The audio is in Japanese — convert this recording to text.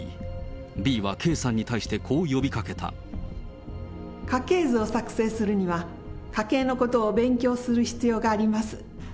ＢはＫさんに対してこう呼びかけ家系図を作成するには、家系のことを勉強する必要があります。